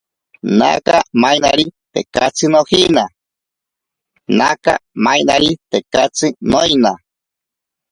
Naka mainari tekatsi nojina, noina.